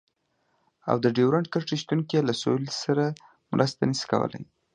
او د ډيورنډ کرښې شتون کې له سولې سره مرسته نشي کولای.